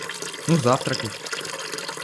Ну, завтракать.